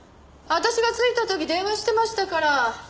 私が着いた時電話してましたから。